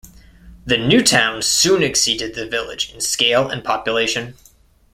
The new town soon exceeded the village in scale and population.